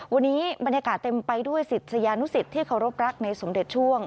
วันนี้บรรยากาศเต็มไปด้วยศิษยานุสิตที่เคารพรักในสมเด็จช่วง